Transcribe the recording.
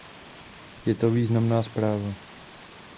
Je to významná zpráva.